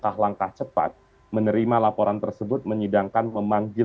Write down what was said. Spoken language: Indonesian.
apakah dkpp menurut anda saat ini